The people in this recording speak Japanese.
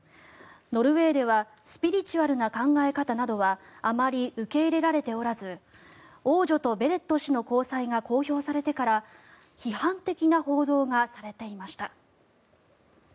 ノルウェーではスピリチュアルな考え方などはあまり受け入れられておらず王女とベレット氏の交際が公表されてから批判的な報道がされていました。